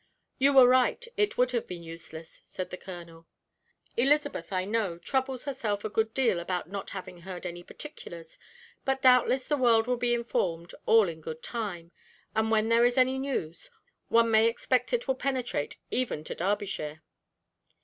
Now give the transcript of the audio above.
"You were right; it would have been useless," said the Colonel. "Elizabeth, I know, troubles herself a good deal about not having heard any particulars, but doubtless the world will be informed all in good time, and when there is any news, one may expect it will penetrate even to Derbyshire."